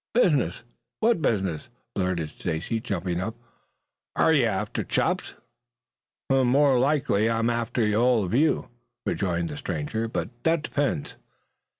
"Business! What business?" blurted Stacy, jumping up. "Are you after Chops?" "Humph! More likely I'm after all of you," rejoined the stranger. "But that depends."